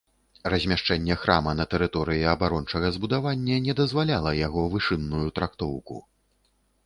Размяшчэнне храма на тэрыторыі абарончага збудавання не дазваляла яго вышынную трактоўку.